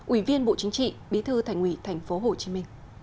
ủy viên bộ chính trị bí thư thành ủy tp hcm